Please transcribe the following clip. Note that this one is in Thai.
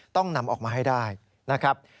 ต้องนำออกมาให้ได้นะครับ